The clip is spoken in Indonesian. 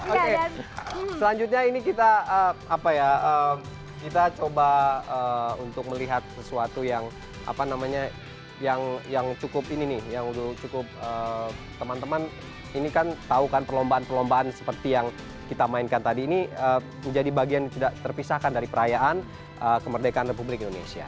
oke selanjutnya ini kita coba untuk melihat sesuatu yang cukup teman teman ini kan tahu kan perlombaan perlombaan seperti yang kita mainkan tadi ini menjadi bagian yang tidak terpisahkan dari perayaan kemerdekaan republik indonesia